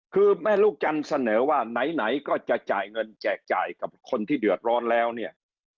คือแม่ลูกจันทร์เสนอว่าไหนก็จะจ่ายเงินแจกจ่ายกับคนที่เดือดร้อนแล้วเนี่ย